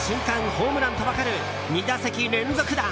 ホームランと分かる２打席連続弾。